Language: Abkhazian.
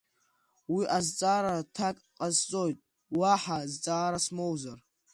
Уи азҵаара аҭак ҟасҵоит, уаҳа зҵаара смоуазар.